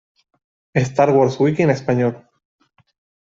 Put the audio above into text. Star Wars Wiki en español